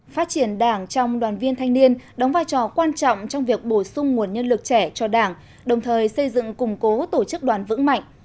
phát triển đảng trong đoàn viên thanh niên đóng vai trò quan trọng trong việc bổ sung nguồn nhân lực trẻ cho đảng đồng thời xây dựng củng cố tổ chức đoàn vững mạnh